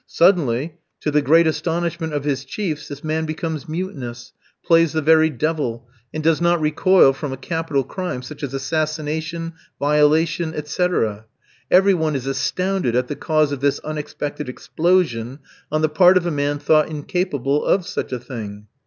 Suddenly, to the great astonishment of his chiefs, this man becomes mutinous, plays the very devil, and does not recoil from a capital crime such as assassination, violation, etc. Every one is astounded at the cause of this unexpected explosion on the part of a man thought incapable of such a thing.